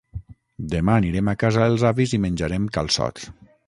Demà anirem a casa els avis i menjarem calçots.